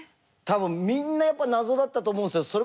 多分みんなやっぱり謎だったと思うんですよ。